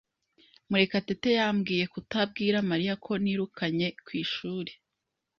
Murekatete yambwiye kutabwira Mariya ko nirukanye ku ishuri.